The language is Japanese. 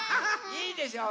いいでしょ。